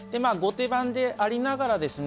手番でありながらですね